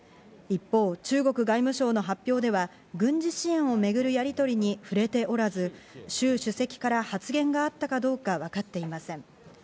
一方、中国外務省の発表では、軍事支援を巡るやりとりに触れておらず、シュウ主席から発言があったかどうか、わかっていません。